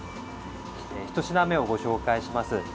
１品目をご紹介します。